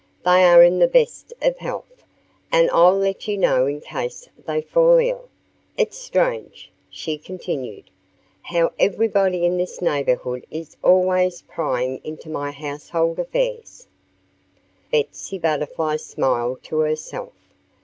"They are in the best of health. And I'll let you know in case they fall ill.... It's strange," she continued, "how everybody in this neighborhood is always prying into my household affairs." Betsy Butterfly smiled to herself.